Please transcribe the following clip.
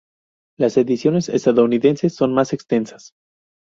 Las ediciones estadounidenses son más extensas.